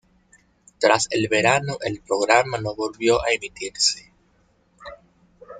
Tras el verano el programa no volvió a emitirse.